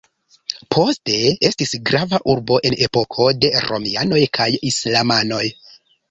Poste estis grava urbo en epoko de romianoj kaj islamanoj.